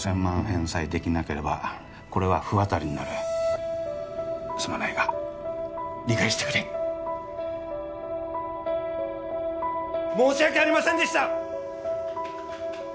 返済できなければこれは不渡りになるすまないが理解してくれ申し訳ありませんでした！